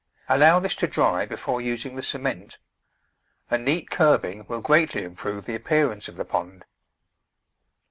Allow this to dry before using the cement. A neat curb ing will greatly improve the appearance of the pond.